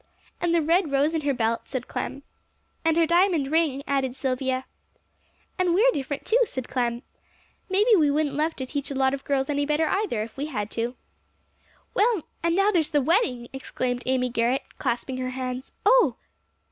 "And the red rose in her belt," said Clem. "And her diamond ring," added Silvia. "And we're different, too," said Clem. "Maybe we wouldn't love to teach a lot of girls any better either, if we had to." "Well, and now there's the wedding!" exclaimed Amy Garrett, clasping her hands, "oh!"